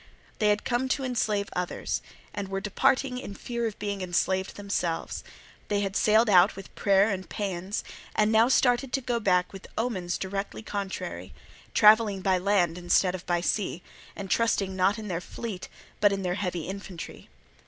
They had come to enslave others, and were departing in fear of being enslaved themselves: they had sailed out with prayer and paeans, and now started to go back with omens directly contrary; travelling by land instead of by sea, and trusting not in their fleet but in their heavy infantry.